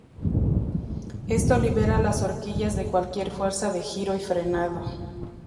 Esto libera las horquillas de cualquier fuerza de giro y frenado.